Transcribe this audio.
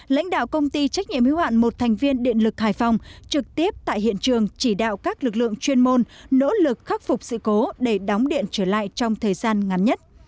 lãnh đạo công ty trách nhiệm hiếu hạn một thành viên điện lực hải phòng trực tiếp tại hiện trường chỉ đạo các lực lượng chuyên môn nỗ lực khắc phục sự cố để đóng điện trở lại trong thời gian ngắn nhất